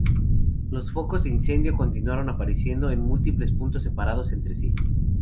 Los focos de incendio continuaron apareciendo en múltiples puntos separados entre sí.